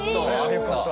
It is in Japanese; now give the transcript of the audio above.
よかった。